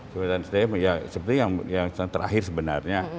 jabatan sdm ya seperti yang terakhir sebenarnya